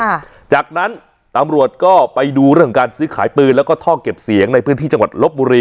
หลังจากนั้นตำรวจก็ไปดูเรื่องของการซื้อขายปืนแล้วก็ท่อเก็บเสียงในพื้นที่จังหวัดลบบุรี